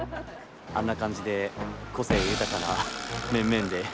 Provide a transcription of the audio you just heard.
あんな感じで個性豊かな面々で。